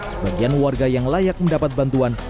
sebagian warga yang layak mendapat bantuan